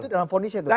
itu dalam fornisnya